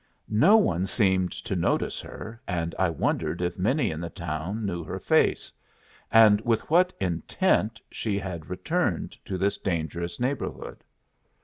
No one seemed to notice her, and I wondered if many in the town knew her face, and with what intent she had returned to this dangerous neighborhood.